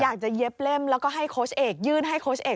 เย็บเล่มแล้วก็ให้โค้ชเอกยื่นให้โค้ชเอก